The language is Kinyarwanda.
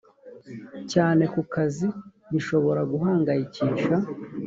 cyane ku kazi bishobora guhangayikisha